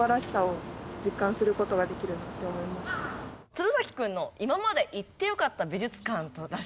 鶴崎君の今まで行ってよかった美術館らしいです。